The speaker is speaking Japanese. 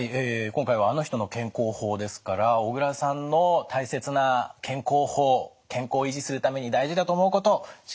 今回は「あの人の健康法」ですから小倉さんの大切な健康法健康を維持するために大事だと思うこと色紙に書いていただきました。